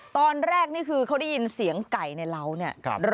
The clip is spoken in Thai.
นี่คือเขาได้ยินเสียงไก่ในเล้าเนี่ย